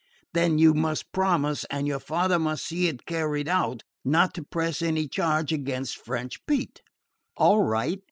"Then you must promise, and your father must see it carried out, not to press any charge against French Pete." "All right.